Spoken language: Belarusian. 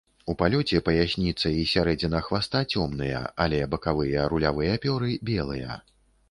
У палёце паясніца і сярэдзіна хваста цёмныя, але бакавыя рулявыя пёры белыя.